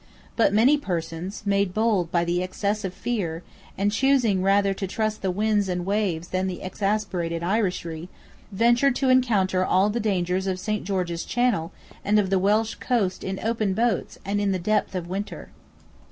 But many persons, made bold by the excess of fear, and choosing rather to trust the winds and waves than the exasperated Irishry, ventured to encounter all the dangers of Saint George's Channel and of the Welsh coast in open boats and in the depth of winter.